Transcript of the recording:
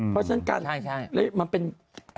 เพราะฉะนั้นการเล่นมันเป็นใช่